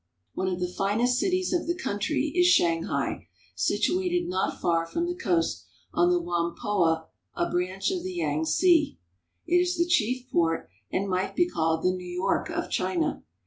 One of the finest cities of the country is Shanghai7 situated not far from the coast on the Whampoa (hwam po'a), a branch of the Yang tze. It is the chief port, and might be called the New York of China.